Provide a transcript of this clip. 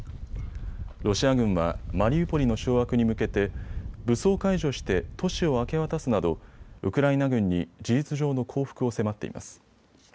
ロシア軍はマリウポリの掌握に向けて武装解除して都市を明け渡すなどウクライナ軍に事実上の降伏を迫っています。